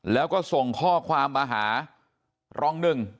แล้วก็ส่งข้อความมาหารองหนึ่ง